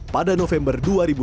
pada november dua ribu dua puluh